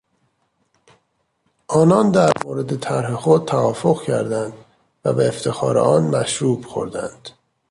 آنان در مورد طرح خود توافق کردند و به افتخار آن مشروب خوردند.